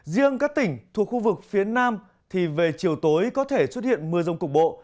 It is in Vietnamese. riêng các tỉnh thuộc khu vực phía nam thì về chiều tối có thể xuất hiện mưa rông cục bộ